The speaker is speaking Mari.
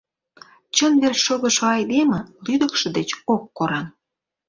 Чын верч шогышо айдеме Лӱдыкшӧ деч ок кораҥ.